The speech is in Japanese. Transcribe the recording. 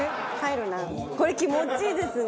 これ気持ちいいですね。